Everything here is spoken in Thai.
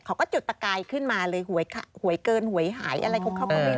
เขาก็จุดตะกายขึ้นมาเลยหวยเกินหวยหายอะไรเขาก็ไม่รู้